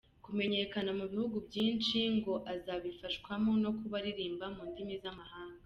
Kumenyekana mu bihugu byinshi, ngo azabifashwamo no kuba aririmba mu ndimi z’amahanga.